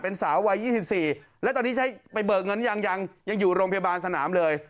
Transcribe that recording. เป็นสาววัย๒๔แล้วตอนนี้ใช้ไปเบิกเงินยังยังอยู่โรงพยาบาลสนามเลย